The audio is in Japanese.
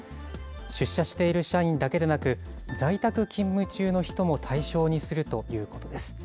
出社している社員だけでなく、在宅勤務中の人も対象にするということです。